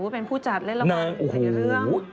เป็นผู้จัดเล่นละครภายในเรื่อง